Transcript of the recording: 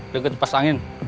deket pas angin